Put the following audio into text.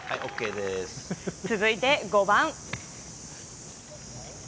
続いて５番。